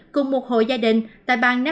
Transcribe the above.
cùng một hội gia đình tại bang nisraqa